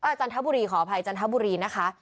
จันทบุรีขออภัยจันทบุรีนะคะ